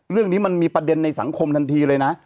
เรื่องนี้มันมีประเด็นในสังคมทันทีเลยนะ